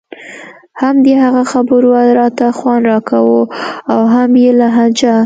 هم د هغه خبرو راته خوند راکاوه او هم يې لهجه.